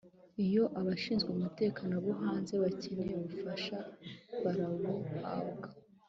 Iyo abashinzwe umutekano bo hanze bakeneye ubufasha barabuhabwa